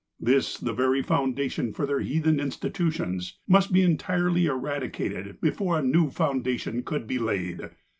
This, the very foundation for their heathen institutions, must be entirely eradicated before a new foundation could be laid.